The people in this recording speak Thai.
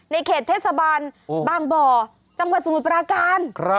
เขตเทศบาลบางบ่อจังหวัดสมุทรปราการ